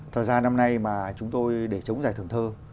thật ra năm nay mà chúng tôi để chống giải thưởng thơ